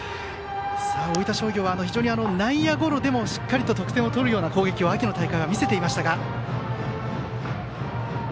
大分商業は非常に内野ゴロでもしっかり得点を取る攻撃を秋の大会は見せていましたが。